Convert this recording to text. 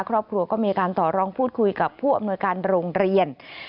ครอบครัวก็มีการต่อรองพูดคุยกับผู้อำนวยการโรงเรียน